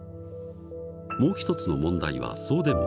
もう一つの問題は送電網。